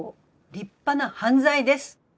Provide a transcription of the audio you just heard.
立派な犯罪です。